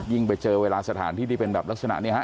ยิ่งไปเจอเวลาสถานที่เป็นแบบลักษณะนี้ฮะ